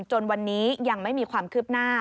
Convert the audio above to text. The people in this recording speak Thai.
จนวันนี้ยังไม่มีความคืบหน้า